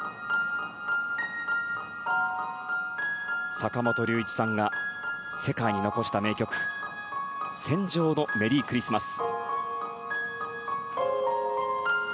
坂本龍一さんが世界に残した名曲「戦場のメリークリスマス」。